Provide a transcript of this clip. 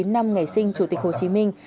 ngày sinh chủ tịch hồ chí minh